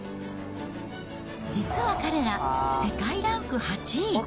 実は彼ら、世界ランク８位。